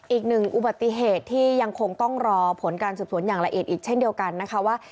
อีกหนึ่งอุบัติเหตุที่ยังคงต้องรอผลการสืบสวนอย่างละเอียดอีกเช่นเดียวกันนะคะว่า